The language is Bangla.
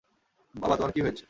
বাবা, তোমার কী হয়েছে?